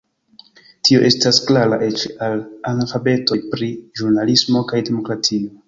Tio estas klara eĉ al analfabetoj pri ĵurnalismo kaj demokratio.